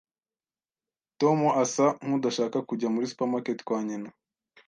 Tom asa nkudashaka kujya muri supermarket kwa nyina.